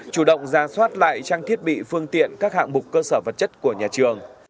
chủ động ra soát lại trang thiết bị phương tiện các hạng mục cơ sở vật chất của nhà trường